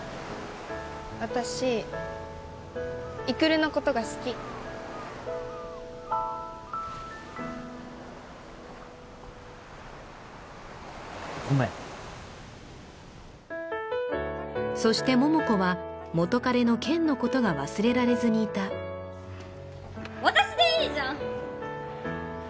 私育のことが好きごめんそして桃子は元カレの健のことが忘れられずにいた私でいいじゃん！